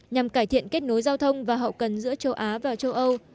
nhằm cải thiện kết nối giao thông và hậu cần giữa châu á và châu âu